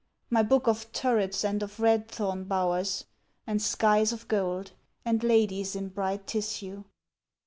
My book of turrets and of red thorn bowers, And skies of gold, and ladies in bright tissue?